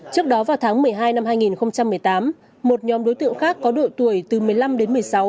trước đó vào tháng một mươi hai năm hai nghìn một mươi tám một nhóm đối tượng khác có độ tuổi từ một mươi năm đến một mươi sáu